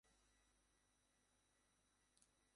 তিনি ছিলেন বাবা-মায়ের একমাত্র সন্তান।